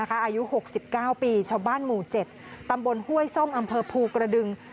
อายุหกสิบเก้าปีชาวบ้านหมู่เจ็ดตำบลห้วยซ่อมอำเภอภูกระดึง